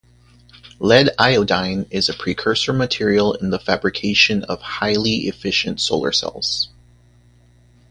Lead iodide is a precursor material in the fabrication of highly efficient solar cells.